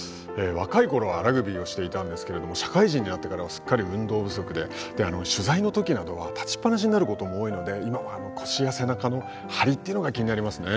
若い頃はラグビーをしていたんですけれども社会人になってからはすっかり運動不足で取材の時などは立ちっ放しになることも多いので今は腰や背中の張りというのが気になりますね。